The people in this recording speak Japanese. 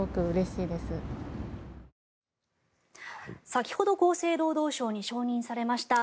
先ほど厚生労働省に承認されました